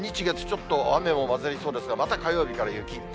月、ちょっと雨も交ざりそうですが、また火曜日から雪。